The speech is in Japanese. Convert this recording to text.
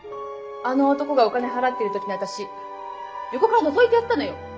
あの男がお金払っている時に私横からのぞいてやったのよ。